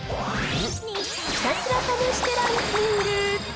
ひたすら試してランキング。